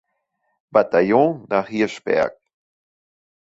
Bataillon nach Hirschberg.